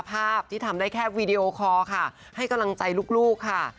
ภาพที่ทำได้แค่วีดีโอคอร์ค่ะให้กำลังใจลูกค่ะ